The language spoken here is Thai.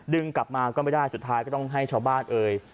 ดึงกลับมาก็ไม่ได้สุดท้ายก็ต้องให้ชาวบ้านเอ่ย